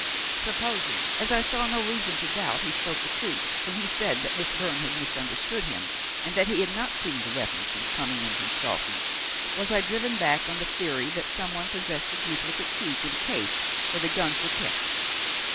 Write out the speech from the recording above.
Supposing, as I saw no reason to doubt, he spoke the truth when he said that Miss Byrne had misunderstood him and that he had not cleaned the weapon since coming in from stalking, was I driven back on the theory that some one possessed a duplicate key to the case where the guns were kept?